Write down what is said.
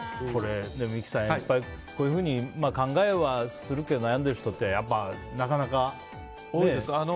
三木さん、こういうふうに考えはするけど、悩んでる人って多いです。